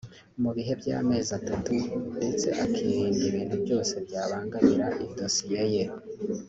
mu gihe cy’amezi atatu ndetse akirinda ibintu byose byabangamira idosiye ye